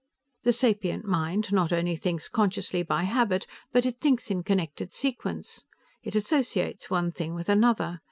"The sapient mind not only thinks consciously by habit, but it thinks in connected sequence. It associates one thing with another.